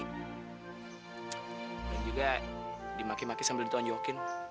juga dimaki maki sambil ditonjokin